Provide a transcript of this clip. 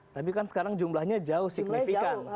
tapi kan sekarang jumlahnya jauh signifikan